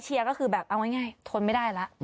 ก็คือแบบเอาง่ายทนไม่ได้แล้ว